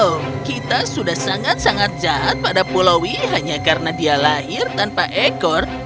oh kita sudah sangat sangat jahat pada pulaui hanya karena dia lahir tanpa ekor